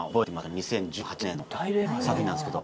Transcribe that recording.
２０１８年の作品なんですけど。